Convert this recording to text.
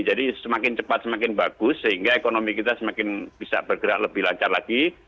jadi semakin cepat semakin bagus sehingga ekonomi kita semakin bisa bergerak lebih lancar lagi